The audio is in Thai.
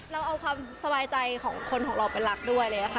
เราเอาความสบายใจของคนของเราไปรักด้วยเลยค่ะ